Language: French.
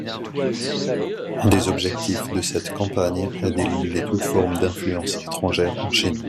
Un des objectifs de cette campagne est d'éliminer toute forme d'influence étrangère en Chine.